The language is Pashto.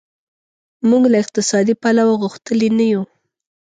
موږ له اقتصادي پلوه غښتلي نه یو.